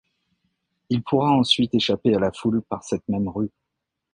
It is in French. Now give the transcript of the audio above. Il pourra ensuite échapper à la foule par cette même rue.